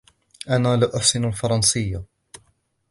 أنا لا أُحسن الفرنسية.